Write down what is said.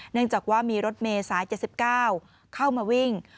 เนื่องจากว่ามีรถเมย์สาย๗๙เข้ามาวิ่ง